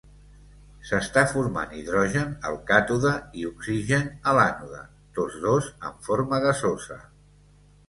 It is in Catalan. S'està formant hidrogen al càtode i oxigen a l'ànode, tots dos en forma gasosa.